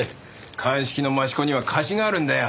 鑑識の益子には貸しがあるんだよ。